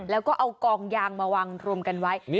แล้วก็เอากองยางมาวางรวมกันไว้